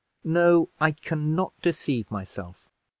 No, I can not deceive myself.